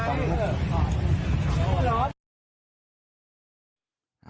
ฉันไปดีกว่าครับ